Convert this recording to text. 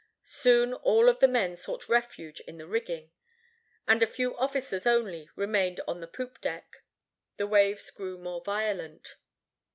Soon all of the men sought refuge in the rigging, and a few officers only remained on the poop deck. The waves grew more violent.